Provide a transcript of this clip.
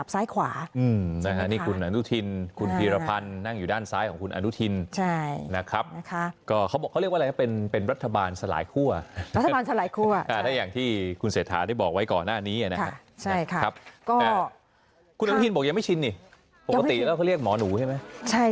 ธานีนะค่ะคุณอานูทินบอกยังไม่ชินนิปกติก็เรียกหมอนูใช่ไหม